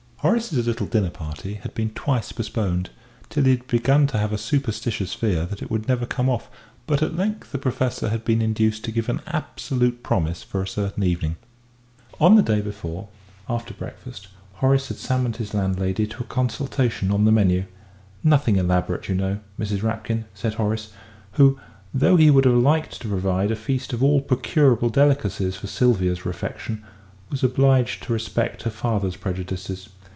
Horace's little dinner party had been twice postponed, till he had begun to have a superstitious fear that it would never come off; but at length the Professor had been induced to give an absolute promise for a certain evening. On the day before, after breakfast, Horace had summoned his landlady to a consultation on the menu. "Nothing elaborate, you know, Mrs. Rapkin," said Horace, who, though he would have liked to provide a feast of all procurable delicacies for Sylvia's refection, was obliged to respect her father's prejudices.